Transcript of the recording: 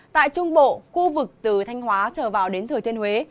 tại trung bộ khu vực từ thanh hóa trở vào đến thời tiên huế